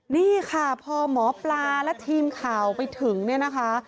นี่ค่ะพอหมอปลาและทีมข่าวไปถึงเนี่ยนะคะ